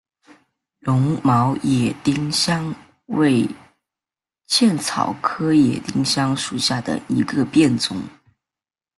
绒毛野丁香为茜草科野丁香属下的一个变种。